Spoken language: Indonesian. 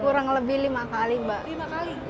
kurang lebih lima kali mbak